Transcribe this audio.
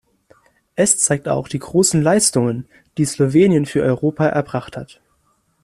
Es zeigt auch die großen Leistungen, die Slowenien für Europa erbracht hat.